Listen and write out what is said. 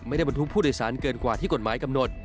บรรทุกผู้โดยสารเกินกว่าที่กฎหมายกำหนด